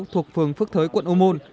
thuộc phường phước thới quận âu môn